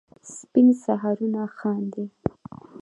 سپین سهارونه خاندي